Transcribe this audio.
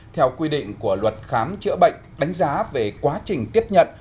theo quy định của luật khám chữa bệnh đánh giá về quá trình tiếp nhận